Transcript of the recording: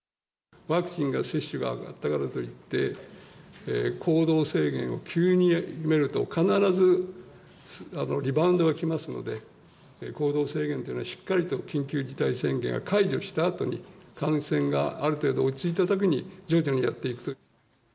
ワクチンの接種が上がったからといって、行動制限を急に緩めると、必ずリバウンドがきますので、行動制限というのは、しっかりと緊急事態宣言が解除したあとに、感染がある程度落ち着いたときに徐々にやっていく。